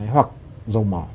hoặc dầu mỏ